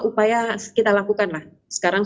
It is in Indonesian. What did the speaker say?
upaya kita lakukan lah sekarang